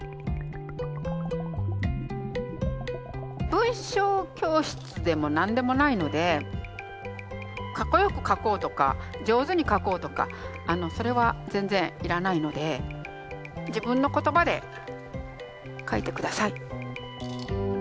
文章教室でも何でもないのでかっこよく書こうとか上手に書こうとかそれは全然要らないので自分の言葉で書いて下さい。